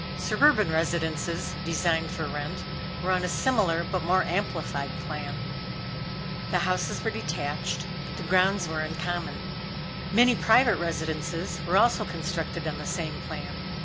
Suburban residences, designed for rent, were on a similar but more amplified plan. The houses were detached, but the grounds were in common. Many private residences were also constructed on the same plan.